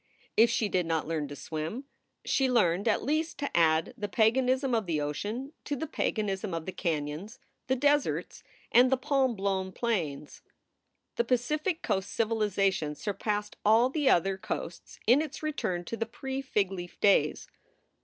If she did not learn to swim, she learned at least to add the paganism of the ocean to the paganism of the canons, the deserts, and the palm blown plains, The Pacific coast civilization surpassed all the other coasts in its return to the pre figleaf days.